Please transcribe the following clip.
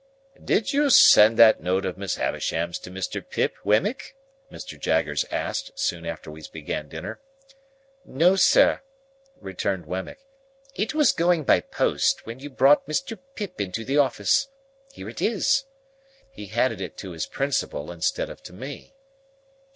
"Did you send that note of Miss Havisham's to Mr. Pip, Wemmick?" Mr. Jaggers asked, soon after we began dinner. "No, sir," returned Wemmick; "it was going by post, when you brought Mr. Pip into the office. Here it is." He handed it to his principal instead of to me.